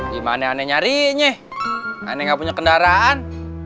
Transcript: gimana aneh nyari aneh gak punya kendaraan